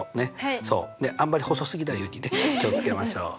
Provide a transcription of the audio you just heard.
あんまり細すぎないようにね気を付けましょう。